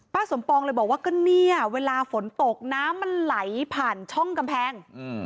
สมปองเลยบอกว่าก็เนี่ยเวลาฝนตกน้ำมันไหลผ่านช่องกำแพง